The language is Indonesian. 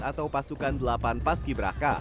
atau pasukan delapan paski braka